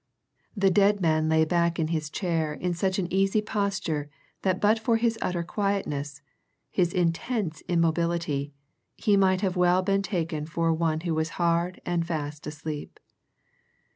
The dead man lay back in his chair in such an easy posture that but for his utter quietness, his intense immobility, he might have well been taken for one who was hard and fast asleep.